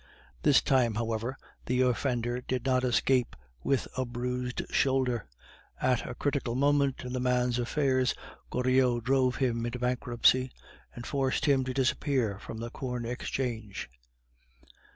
This time, however, the offender did not escape with a bruised shoulder; at a critical moment in the man's affairs, Goriot drove him into bankruptcy, and forced him to disappear from the Corn Exchange.